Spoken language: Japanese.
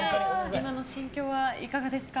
今の心境はいかがですか？